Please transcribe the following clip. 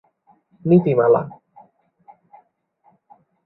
নীতিমালা